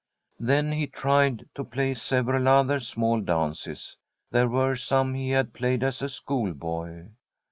Then he tried to play several other small dances. They were some he had played as a school boy.